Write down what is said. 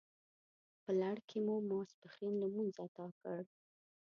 په لړ کې مو ماپښین لمونځ اداء کړ.